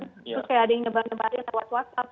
terus kayak ada yang nyebar nyebarin lewat whatsapp